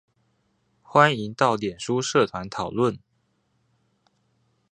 歡迎到臉書社團討論